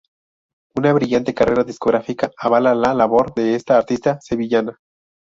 Una brillante carrera discográfica avala la labor de esta artista sevillana.